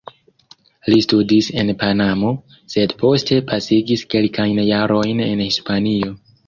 Li studis en Panamo, sed poste pasigis kelkajn jarojn en Hispanio.